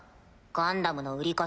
ガンダムの売り方。